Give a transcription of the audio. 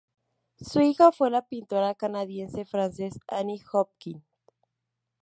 Su hija fue la pintora canadiense Frances Anne Hopkins.